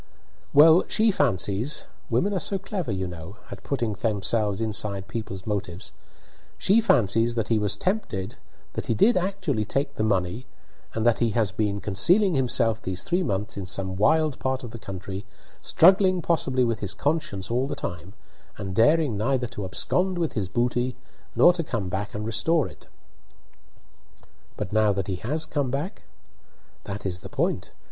"Well, she fancies women are so clever, you know, at putting themselves inside people's motives she fancies that he was tempted, that he did actually take the money, and that he has been concealing himself these three months in some wild part of the country, struggling possibly with his conscience all the time, and daring neither to abscond with his booty nor to come back and restore it." "But now that he has come back?" "That is the point.